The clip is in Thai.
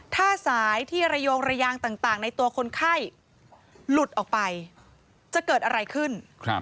ถ้าสายที่ระโยงระยางต่างในตัวคนไข้หลุดออกไปจะเกิดอะไรขึ้น